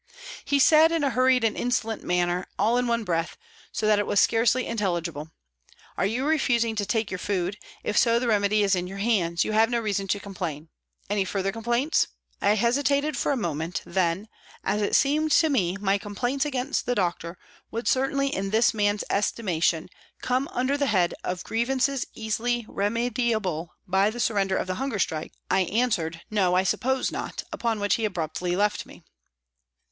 He said, in a hurried and insolent manner, all in one breath, so that it was scarcely intelligible, " Are you refusing to take your food If so, the remedy is in your hands, you have no reason to complain Any further com plaints ?" I hesitated for a moment, then, as it seemed to me my complaints against the doctor would certainly in this man's estimation come under the head of grievances easily remediable by the surrender of the hunger strike, I answered, " No, I suppose not," upon which he abruptly left me.